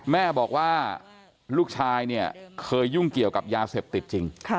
แม่บอกว่าลูกชายเนี่ยเคยยุ่งเกี่ยวกับยาเสพติดจริง